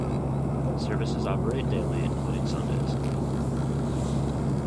Services operate daily including Sundays.